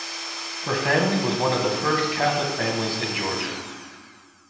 Her family was one of the first Catholic families in Georgia.